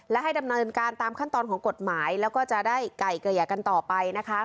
และให้ดำเนินการตามขั้นตอนของกฎหมายแล้วก็จะได้ไก่เกลี่ยกันต่อไปนะคะ